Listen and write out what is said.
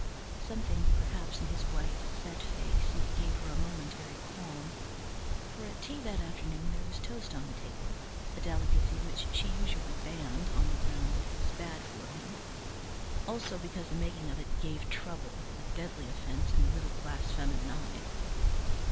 Something perhaps in his white set face gave her a momentary qualm, for at tea that afternoon there was toast on the table, a delicacy which she usually banned on the ground that it was bad for him; also because the making of it "gave trouble," a deadly offence in the middle class feminine eye.